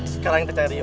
sekarang yang tercaya dio